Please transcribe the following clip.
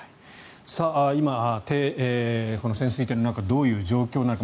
今、潜水艇の中どういう状況なのか。